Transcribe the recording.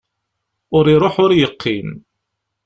Ur iruḥ ur yeqqim.